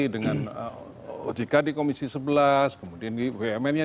dengan ojk di komisi sebelas kemudian di bumn nya